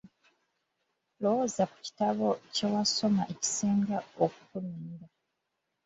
Lowoozaayo ku kitabo kye wasoma ekisinga okukunyumira.